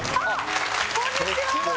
こんにちは！